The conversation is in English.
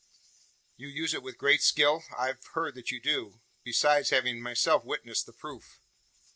"You use it with great skill? I've heard that you do; besides having myself witnessed the proof."